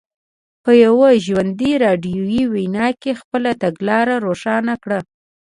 په یوه ژوندۍ راډیویي وینا کې خپله تګلاره روښانه کړه.